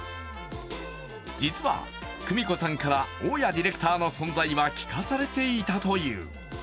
実は、久美子さんから大家ディレクターの存在は聞かされていたという。